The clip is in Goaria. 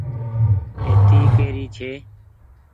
پيتي ڪيري ڇي۔